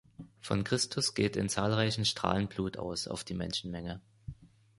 Von Christus geht in zahlreichen Strahlen Blut aus auf die Menschenmenge.